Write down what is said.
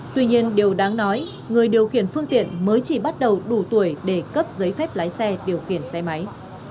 tuy nhiên điều đáng nói người điều khiển phương tiện mới chỉ bắt đầu đủ tuổi để cấp giấy phép lái xe điều khiển xe máy